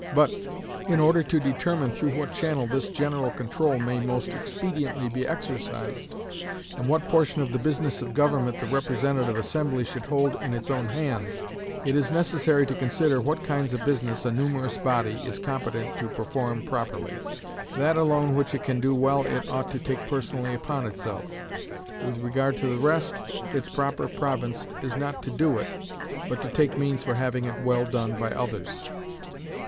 But, in order to determine through what channel this general control may most expediently be exercised, and what portion of the business of government the representative assembly should hold in its own hands, it is necessary to consider what kinds of business a numerous body is competent to perform properly. That alone which it can do well it ought to take personally upon itself. With regard to the rest, its proper province is not to do it, but to take means for having it well done by others.